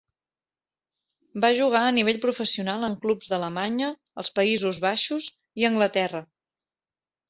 Va jugar a nivell professional en clubs d'Alemanya, els Països Baixos i Anglaterra.